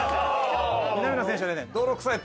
南野選手はね。